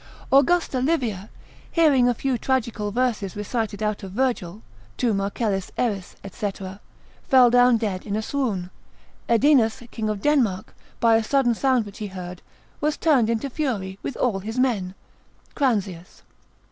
Augusta Livia hearing a few tragical verses recited out of Virgil, Tu Marcellus eris, &c., fell down dead in a swoon. Edinus king of Denmark, by a sudden sound which he heard, was turned into fury with all his men, Cranzius, l. 5, Dan. hist.